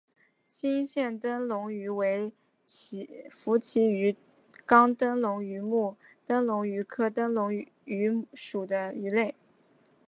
金焰灯笼鱼为辐鳍鱼纲灯笼鱼目灯笼鱼科灯笼鱼属的鱼类。